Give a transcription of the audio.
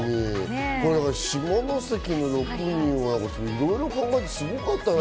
下関の６人はいろいろ考えてすごかったね。